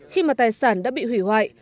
khi mà tài sản đã bị hủy hoại